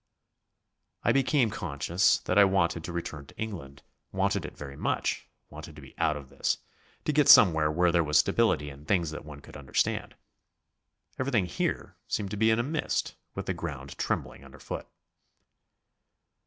I became conscious that I wanted to return to England, wanted it very much, wanted to be out of this; to get somewhere where there was stability and things that one could understand. Everything here seemed to be in a mist, with the ground trembling underfoot.